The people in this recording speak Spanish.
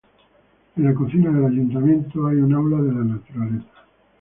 En la cocina del Ayuntamiento hay un aula de la Naturaleza.